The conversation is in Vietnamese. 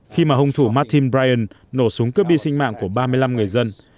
khi mà hung thủ martin brien nổ súng cướp đi sinh mạng của ba mươi năm người dân